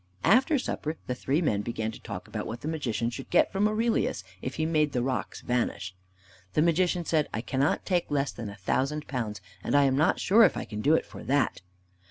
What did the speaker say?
After supper the three men began to talk about what the Magician should get from Aurelius if he made the rocks vanish. The Magician said, "I cannot take less than a thousand pounds, and I am not sure if I can do it for that!"